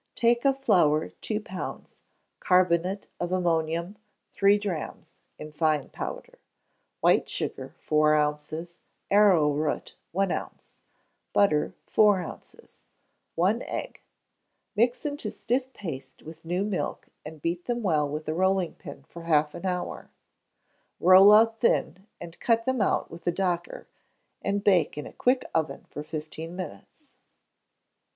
Take of flour two pounds; carbonate of ammonia, three drachms, in fine powder; white sugar, four ounces; arrowroot one ounce; butter, four ounces; one egg: mix into a stiff paste with new milk, and beat them well with a rolling pin for half an hour; roll out thin, and cut them out with a docker, and bake in a quick oven for fifteen minutes.